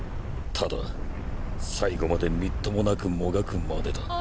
ただ最後までみっともなくもがくまでだ。